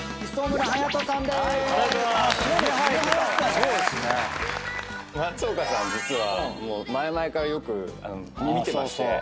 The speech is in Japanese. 「松岡さん実は前々からよく見てまして」